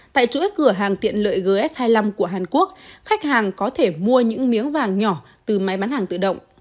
tại chuỗi cửa hàng tiện lợi gs hai mươi năm của hàn quốc khách hàng có thể mua những miếng vàng nhỏ từ máy bán hàng tự động